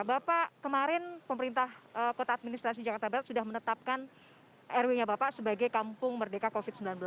bapak kemarin pemerintah kota administrasi jakarta barat sudah menetapkan rw nya bapak sebagai kampung merdeka covid sembilan belas